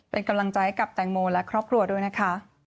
เป็นกำลังใจกับแตงโมและครอบครัวด้วยนะคะ